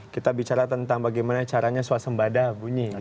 kita bicara tentang bagaimana caranya suasembada bunyi